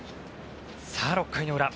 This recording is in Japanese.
６回の裏。